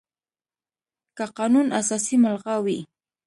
که قانون اساسي ملغا وي،